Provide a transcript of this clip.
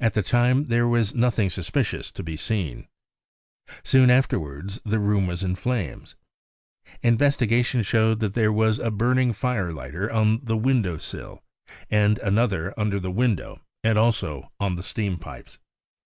At the time there was nothing sus picious to be seen. Soon afterwards the room was in flames. Investigation showed that there was a burning fire lighter on the window sill, and another under the window and also on the steam pipes.